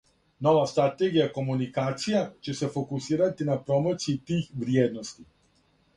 Нова стратегија комуникација ће се фокусирати на промоцији тих вриједности.